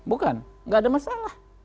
bukan nggak ada masalah